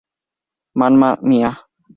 Mamma Mia!